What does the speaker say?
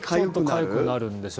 かゆくなるんですよ